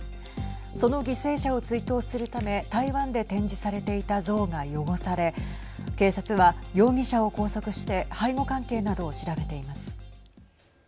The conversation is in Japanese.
その犠牲者を追悼するため台湾で展示されていた像が汚され警察は容疑者を拘束して背後関係などを調べています。